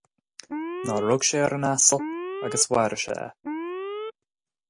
ná rug sé ar an asal agus mharaigh sé é